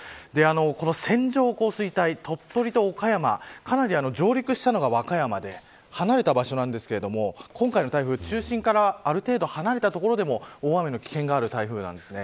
この線状降水帯鳥取と岡山上陸したのが和歌山で離れた場所なんですけど今回の台風、中心からある程度離れた所でも大雨の危険がある台風なんですね。